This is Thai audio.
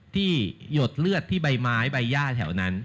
หยดเลือดที่ใบไม้ใบย่าแถวนั้น